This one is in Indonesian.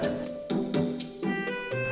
gak ada apa